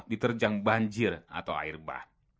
diterjang banjir atau air bah